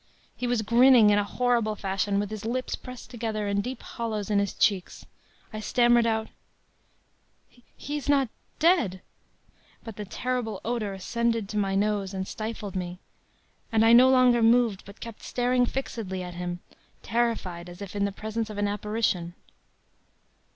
He was grinning in a horrible fashion, with his lips pressed together and deep hollows in his cheeks. I stammered out: “'He is not dead!' “But the terrible odor ascended to my nose and stifled me. And I no longer moved, but kept staring fixedly at him, terrified as if in the presence of an apparition.